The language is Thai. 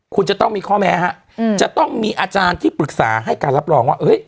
คุณจะต้องมีข้อแม้ฮะจะต้องมีอาจารย์ที่ปรึกษาให้การรับรองว่าเฮ้ย